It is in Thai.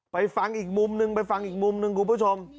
ฟังอีกมุมนึงไปฟังอีกมุมหนึ่งคุณผู้ชม